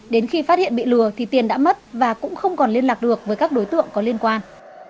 đến khi phát hiện bị lừa thì tiền đã mất và cũng không còn liên lạc được với các đối tượng có liên quan